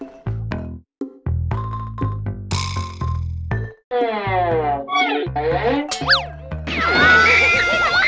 kalo kita di padat